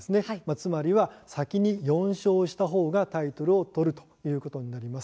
つまり先に４勝したほうがタイトルを取ることになります。